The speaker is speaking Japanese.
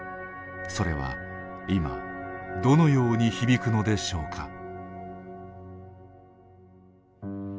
それは今どのように響くのでしょうか。